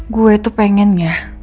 gue tuh pengennya